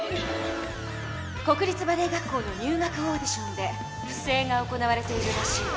国立バレエ学校の入学オーディションで不正が行われているらしいわ。